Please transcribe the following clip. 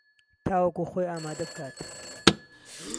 تا وەکو خۆی ئامادەبکات